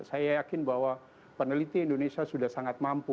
saya yakin bahwa peneliti indonesia sudah sangat mampu